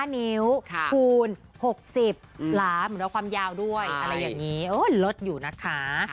๔๕นิ้วคูณ๖๐ล้าความยาวด้วยอะไรอย่างนี้ลดอยู่นะคะ